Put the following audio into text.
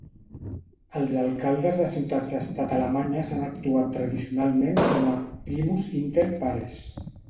Els alcaldes de ciutats-estat alemanyes han actuat tradicionalment com a "primus inter pares".